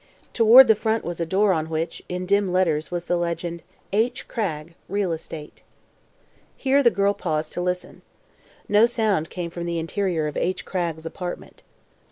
Toward the front was a door on which, in dim letters, was the legend: "H. Cragg. Real Estate." Here the girl paused to listen. No sound came from the interior of H. Cragg's apartment.